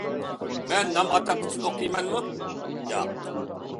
مەن نام ئاتاق ئۈچۈن ئوقۇيمەنمۇ؟ ياق!